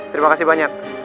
terima kasih banyak